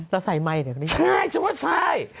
เราใส่ไมค์เดี๋ยวนะใช่ฉันว่าใช่